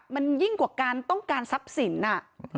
มันยิ่งกว่าการต้องการทรัพย์สิน